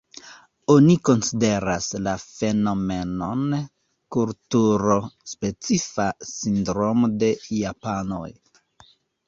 Oni konsideras la fenomenon, kulturo-specifa sindromo de Japanoj.